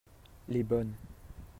les bonnes.